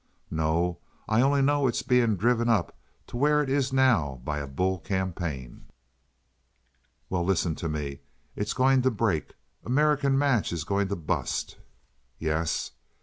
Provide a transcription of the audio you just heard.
"No. I only know it's being driven up to where it is now by a bull campaign." "Well, listen to me. It's going to break. American Match is going to bust." "Yes."